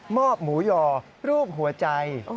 อบหมูยอรูปหัวใจ